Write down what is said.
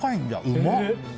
うまっ！